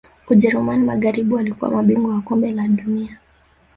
ujerumani magharibi walikuwa mabingwa wa kombe la dunia